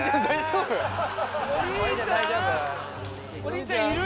お兄ちゃんいる？